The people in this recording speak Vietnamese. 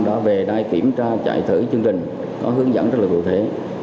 đã về đây kiểm tra chạy thử chương trình có hướng dẫn rất là cụ thể